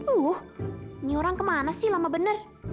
uh ini orang kemana sih lama bener